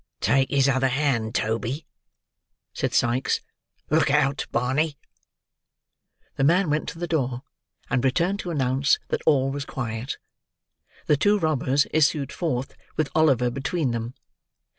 "Take his other hand, Toby," said Sikes. "Look out, Barney." The man went to the door, and returned to announce that all was quiet. The two robbers issued forth with Oliver between them.